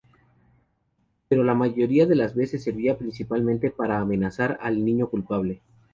Pero la mayoría de las veces, servía principalmente para amenazar al niño culpable.